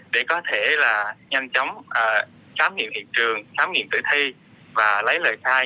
để có thể là nhanh chóng khám nghiệm hiện trường khám nghiệm tử thi và lấy lời khai